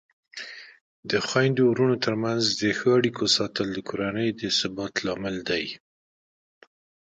د خویندو ورونو ترمنځ د ښو اړیکو ساتل د کورنۍ د ثبات لامل دی.